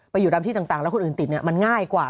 ไปอยู่ดำที่ต่างแล้วคนอื่นติดเนี่ยมันง่ายกว่า